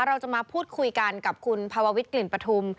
เราจะมาพูดคุยกันกับคุณภาววิทกลิ่นปฐุม